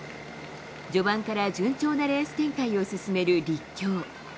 序盤から順調なレース展開を進める立教。